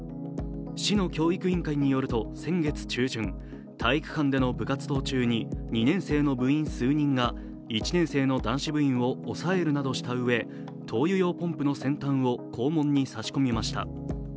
市の教育委員会によると先月中旬、体育館での部活動中に２年生の部員数人が１年生の男子部員を押さえるなどしたうえ、灯油用ポンプの先端を肛門に差し込みました。